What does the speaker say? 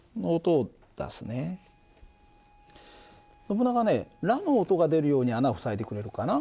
ノブナガねラの音が出るように穴を塞いでくれるかな？